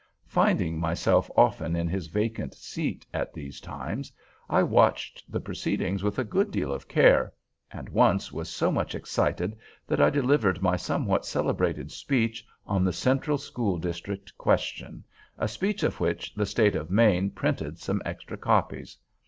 Finding myself often in his vacant seat at these times, I watched the proceedings with a good deal of care; and once was so much excited that I delivered my somewhat celebrated speech on the Central School District question, a speech of which the State of Maine printed some extra copies.